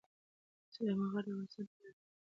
سلیمان غر د افغانستان د تکنالوژۍ پرمختګ سره تړاو لري.